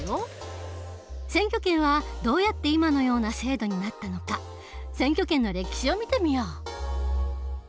選挙権はどうやって今のような制度になったのか選挙権の歴史を見てみよう。